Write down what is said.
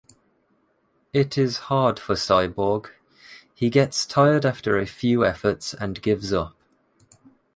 It is hard for Cyborg, he gets tired after a few efforts and gives up.